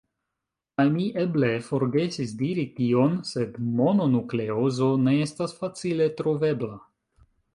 Kaj mi eble forgesis diri tion, sed mononukleozo ne estas facile trovebla.